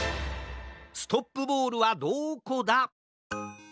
ストップボールはどこだ？